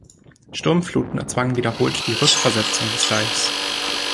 Sturmfluten erzwangen wiederholt die Rückversetzung des Deichs.